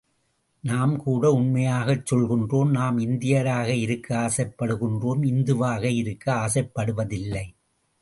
நாம் கூட உண்மையாகச் சொல்கின்றோம் நாம் இந்தியராக இருக்க ஆசைப்படுகின்றோம் இந்து வாக இருக்க ஆசைப்படுவதில்லை.